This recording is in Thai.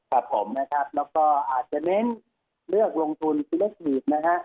ครับผมนะครับแล้วก็อาจจะเล้นเลือกลงทุนนะฮะ